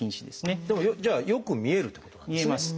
じゃあよく見えるってことなんですねいれば。